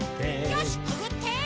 よしくぐって！